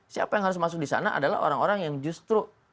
siapa yang harus masuk di sana adalah orang orang yang justru